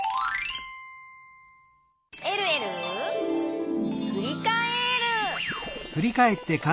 「えるえるふりかえる」